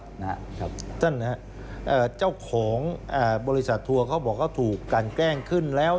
ท่านนะครับเจ้าของบริษัททัวร์เขาบอกเขาถูกกันแกล้งขึ้นแล้ว